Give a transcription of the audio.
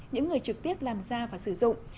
những người trực tiếp làm ra và sử dụng